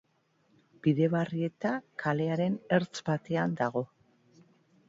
Bidebarrieta kalearen ertz batean dago.